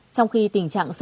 trong khi tình trạng sơ tử